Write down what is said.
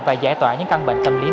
và giải tỏa những căn bệnh tâm lý này